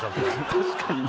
確かにね